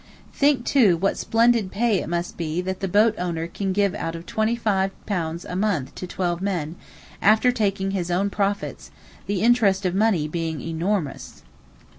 Think too what splendid pay it must be that the boat owner can give out of £25 a month to twelve men, after taking his own profits, the interest of money being enormous.